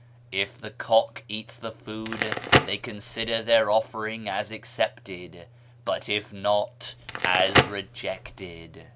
If the cock eats the food, they consider their offering as accepted, but if not, as rejected."